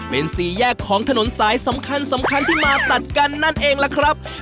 เป็นสี่แยกของถนนสายสำคัญสำคัญที่มาตัดกันนั่นเองล่ะครับ